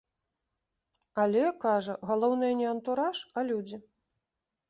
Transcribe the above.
Але, кажа, галоўнае не антураж, а людзі.